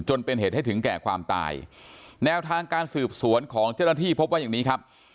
จนเป็นเหตุให้ถึงแก่ความตายแนวทางการสืบสวนของเจ้าหน้าที่พบว่าอย่างนี้ครับ